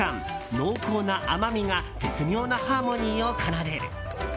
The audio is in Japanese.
濃厚な甘みが絶妙なハーモニーを奏でる！